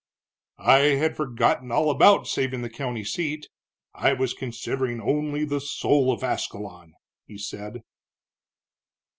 "I had forgotten all about saving the county seat I was considering only the soul of Ascalon," he said.